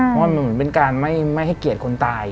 เพราะมันเหมือนเป็นการไม่ให้เกียรติคนตาย